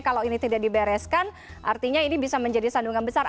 kalau ini tidak dibereskan artinya ini bisa menjadi sandungan besar